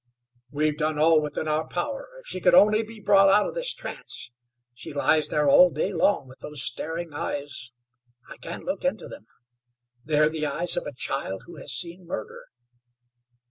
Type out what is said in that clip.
"We've done all within our power. If she could only be brought out of this trance! She lies there all day long with those staring eyes. I can't look into them. They are the eyes of a child who has seen murder."